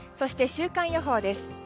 週間予報です。